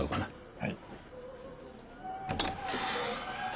はい。